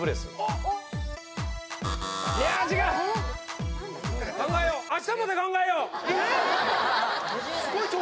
いや違う考えようえっ？